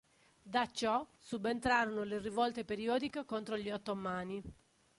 Da ciò subentrarono le rivolte periodiche contro gli ottomani.